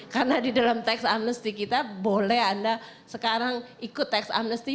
karena di dalam tax amnesty kita boleh anda sekarang ikut tax amnesty